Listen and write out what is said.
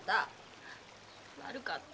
悪かった。